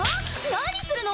何するの！